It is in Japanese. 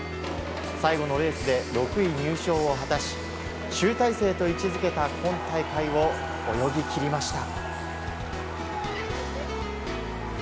最後のレースで６位入賞を果たし集大成と位置付けた今大会を泳ぎ切りました。